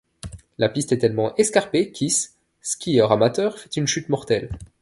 La piste est tellement escarpée qu'Hiss, skieur amateur, fait une chute mortelle.